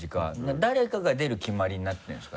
誰かが出る決まりになってるんですか？